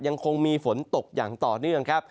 ยังคงมีฝนตกอย่างต่อเนื่องครับ